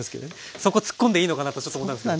そこツッコんでいいのかなとちょっと思ったんですけど。